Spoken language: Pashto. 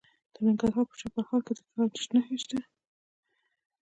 د ننګرهار په چپرهار کې د ګچ نښې شته.